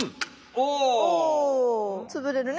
おつぶれるね。